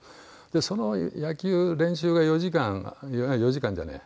その野球練習が４時間４時間じゃない。